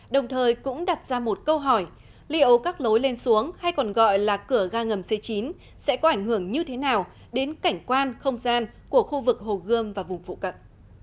đồng thời cũng đặt ra một câu hỏi liệu các lối lên xuống hay còn gọi là cửa ga ngầm c chín sẽ có ảnh hưởng như thế nào đến cảnh quan không gian của khu vực hồ gươm và vùng phụ cận